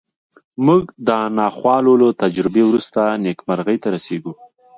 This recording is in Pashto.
موږ د ناخوالو له تجربې وروسته نېکمرغۍ ته رسېږو